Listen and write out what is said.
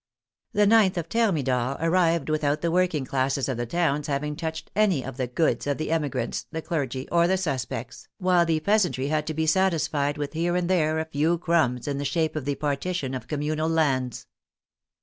The 9th of Thermidor arrived without the working classes of the towns having touched any of the " goods " of the emigrants, the clergy, or the suspects, while the peasantry had to be satisfied with here and there a few crumbs in the shape of the partition of communal lands.